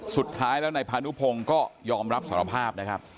สุดท้ายแล้วนายพานุพงศ์ก็ยอมรับสารภาพนะครับ